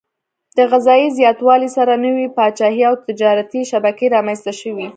د غذايي زیاتوالي سره نوي پاچاهي او تجارتي شبکې رامنځته شوې.